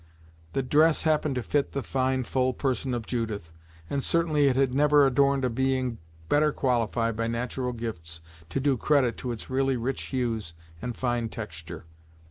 The dress happened to fit the fine, full person of Judith, and certainly it had never adorned a being better qualified by natural gifts to do credit to its really rich hues and fine texture.